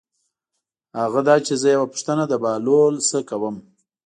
هغه دا چې زه یوه پوښتنه د بهلول نه کوم.